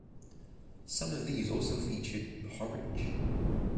Some of these also featured Horridge.